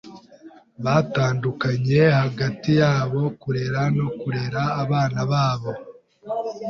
Batandukanye hagati yabo kurera no kurera abana babo.